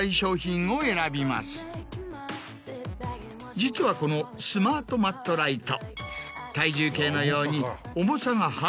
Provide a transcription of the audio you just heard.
実はこのスマートマットライト。